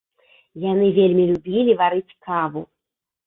Яны вельмі любілі варыць каву.